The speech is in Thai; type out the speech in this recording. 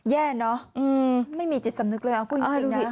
แย่เนอะไม่มีจิตสำนึกเลยครับคุณคิงนะ